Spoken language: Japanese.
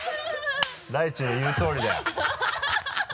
だいちの言うとおりだよ。